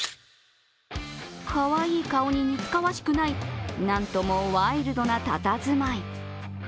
かわいい顔に似つかわしくないなんともワイルドなたたずまい。